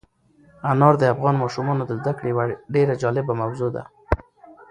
انار د افغان ماشومانو د زده کړې یوه ډېره جالبه موضوع ده.